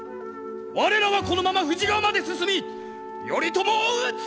我らはこのまま富士川まで進み頼朝を討つ！